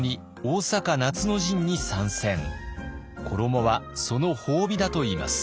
衣はその褒美だといいます。